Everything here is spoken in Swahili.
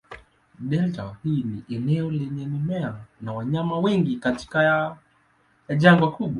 Delta hii ni eneo lenye mimea na wanyama wengi katikati ya jangwa kubwa.